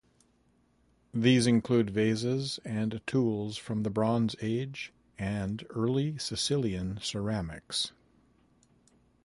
These include vases and tools from the Bronze Age, and early Sicilian ceramics.